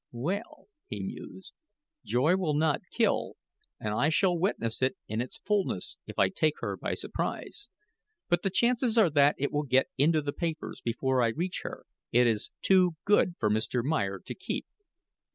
"Well," he mused, "joy will not kill, and I shall witness it in its fullness if I take her by surprise. But the chances are that it will get into the papers before I reach her. It is too good for Mr. Meyer to keep."